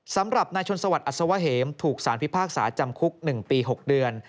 สำหรับนายชนสวัสดิอัศวะเหมถูกสารพิพากษาจำคุก๑ปี๖เดือน